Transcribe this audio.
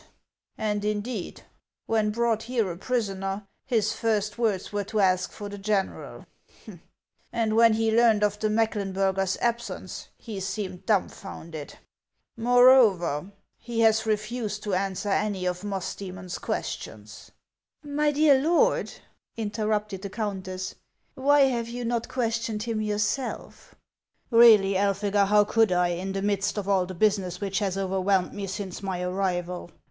And indeed, when brought here a prisoner, his first words were to ask for the general ; HAXS OF ICELAND. 427 and when he learned of the Mecklenburger's absence, he seemed duinfounded. Moreover, lie has refused to answer any of Musdcemon's questions." " My dear lord," interrupted the countess, " why have you not questioned him yourself ?" "Keally, Elphega, how could I, in the midst of all the business which has overwhelmed me since my arrival